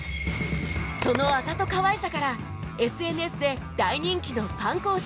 そのあざと可愛さから ＳＮＳ で大人気のパン講師